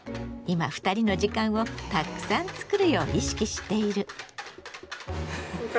今二人の時間をたくさん作るよう意識している。